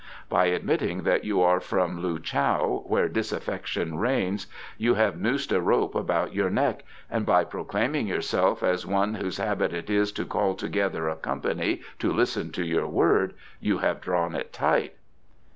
By admitting that you are from Loo chow, where disaffection reigns, you have noosed a rope about your neck, and by proclaiming yourself as one whose habit it is to call together a company to listen to your word, you have drawn it tight."